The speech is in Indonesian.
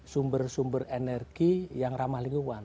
sumber sumber energi yang ramah lingkungan